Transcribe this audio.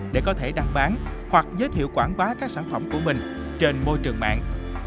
để có thể đăng bán hoặc giới thiệu quảng bá các sản phẩm của mình trên môi trường mạng